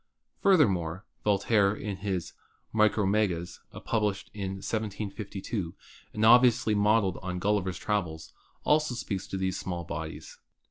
Furthermore, Voltaire in his "Micromegas," published in 1752 and obviously modeled on "Gulliver's Travels," also speaks of these small bodies.